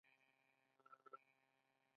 آیا د کوچیانو ژوند له طبیعت سره نږدې نه دی؟